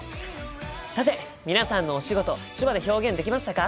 さて皆さんのお仕事手話で表現できましたか？